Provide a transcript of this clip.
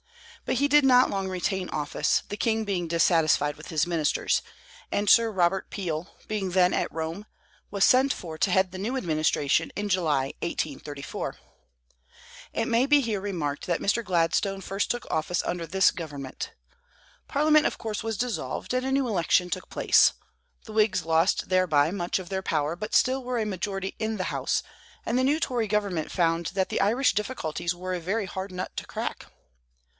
But he did not long retain office, the king being dissatisfied with his ministers; and Sir Robert Peel, being then at Rome, was sent for to head the new administration in July, 1834. It may be here remarked that Mr. Gladstone first took office under this government. Parliament, of course, was dissolved, and a new election took place. The Whigs lost thereby much of their power, but still were a majority in the House, and the new Tory government found that the Irish difficulties were a very hard nut to crack.